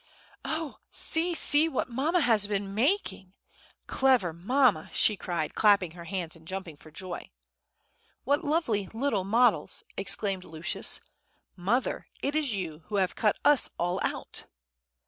"Oh! see—see what mamma has been making! Clever mamma!" she cried, clapping her hands, and jumping for joy. "What lovely little models!" exclaimed Lucius. "Mother, it is you who have cut us all out."